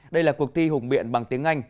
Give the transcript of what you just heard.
đây là cuộc thi hùng biện bằng tiếng anh